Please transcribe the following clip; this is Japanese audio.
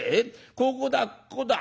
ここだここだ。